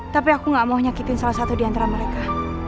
tapi aku gak mau nyakitin salah satu diantara mereka